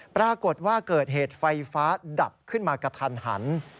ปรากฏว่าเกิดเหตุไฟฟ้าดับขึ้นมากระทันหัน